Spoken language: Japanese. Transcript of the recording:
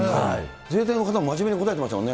自衛隊の方も真面目に答えましたもんね。